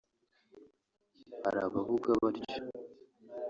Hari abavuka batyo